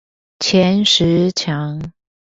前十強